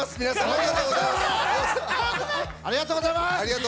ありがとうございます！